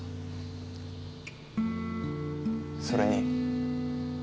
それに。